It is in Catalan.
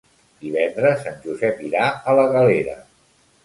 Divendres en Josep irà a la Galera.